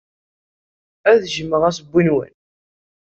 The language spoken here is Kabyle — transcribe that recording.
Ad jjmeɣ assewwi-nwen.